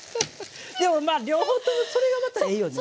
でもまあ両方ともそれがまたいいよね。